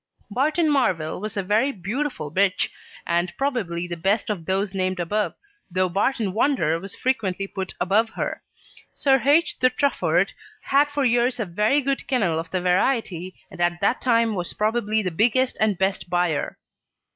Barton Marvel was a very beautiful bitch, and probably the best of those named above, though Barton Wonder was frequently put above her. Sir H. de Trafford had for years a very good kennel of the variety, and at that time was probably the biggest and best buyer.